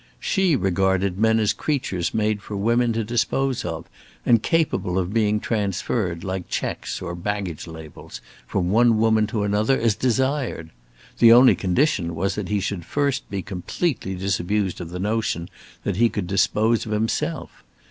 She regarded men as creatures made for women to dispose of, and capable of being transferred like checks, or baggage labels, from one woman to another, as desired. The only condition was that he should first be completely disabused of the notion that he could dispose of himself.